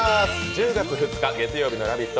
１０月２日月曜日の「ラヴィット！」